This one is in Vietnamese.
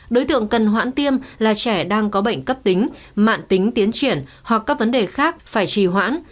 đối tượng cần hoãn tiêm là trẻ đang có bệnh cấp tính mạng tính tiến triển hoặc các vấn đề khác phải trì hoãn